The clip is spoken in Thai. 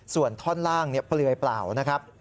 ส่วนท่อนล่างเปลือยเปล่านะครับ